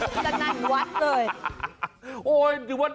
สนั่นวัดเลย